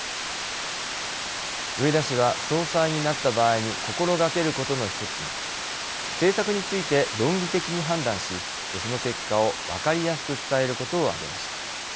植田氏は、総裁になった場合に心がけることの１つに政策について論理的に判断しその結果を分かりやすく伝えることを挙げました。